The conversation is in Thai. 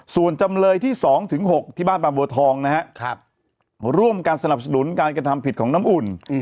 ส่วนจำเลยที่๒๖ที่บ้านบางบัวทองนะฮะร่วมกันสนับสนุนการกระทำผิดของน้ำอุ่น